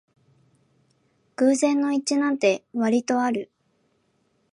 偶然の一致なんてわりとある